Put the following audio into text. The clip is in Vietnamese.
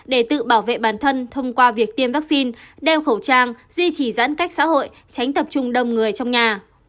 để tự bảo vệ bản thân thông qua việc tiêm vaccine đeo khẩu trang duy trì giãn cách xã hội tránh tập trung đông người trong nhà